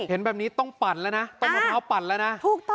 เห็นแบบนี้ต้องปั่นแล้วนะ